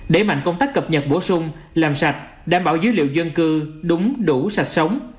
đẩy mạnh công tác cập nhật bổ sung làm sạch đảm bảo dữ liệu dân cư đúng đủ sạch sống